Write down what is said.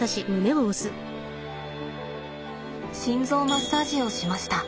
心臓マッサージをしました。